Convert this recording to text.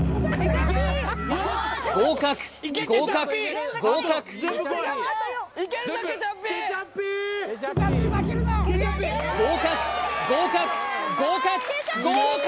合格合格合格合格合格合格合格！